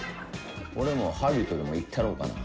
俺もハリウッドでも行ったろうかな。